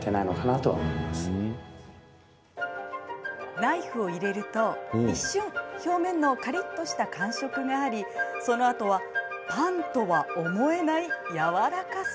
ナイフを入れると、一瞬表面のカリっとした感触がありそのあとは、パンとは思えないやわらかさ。